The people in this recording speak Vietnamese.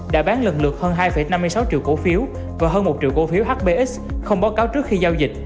đã bán lần lượt hơn hai năm mươi sáu triệu cổ phiếu và hơn một triệu cổ phiếu hbx không báo cáo trước khi giao dịch